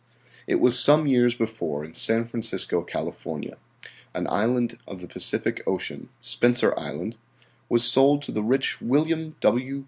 It was some years before, in San Francisco, Cal., an island of the Pacific Ocean, Spencer Island, was sold to the rich William W.